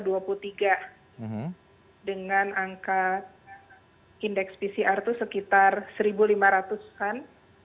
dengan angka indeks pcr itu sekitar satu lima ratus an